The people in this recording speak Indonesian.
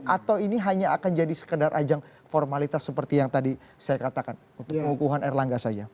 atau ini hanya akan jadi sekedar ajang formalitas seperti yang tadi saya katakan untuk pengukuhan erlangga saja